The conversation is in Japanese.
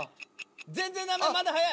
全然ダメまだ早い］